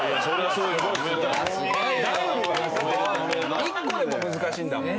すごい！１個でも難しいんだもん。